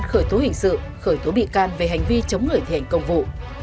khởi tố hình sự khởi tố bị can về hành vi chống người thi hành công vụ